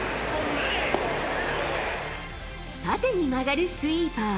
縦に曲がるスイーパー。